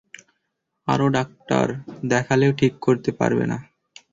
আরো ডাক্তার দেখালেও ঠিক করতে পারবে না।